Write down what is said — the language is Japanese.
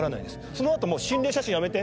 そのあとも心霊写真やめて！